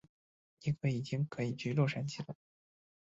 尼可已经可以去洛杉矶了。